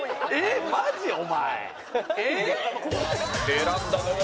選んだのは